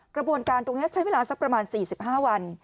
กระบวนการตรงนี้ใช้เวลาสักประมาณ๔๕วัน